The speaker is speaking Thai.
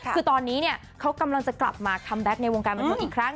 คือตอนนี้เนี่ยเขากำลังจะกลับมาคัมแบ็คในวงการบันเทิงอีกครั้ง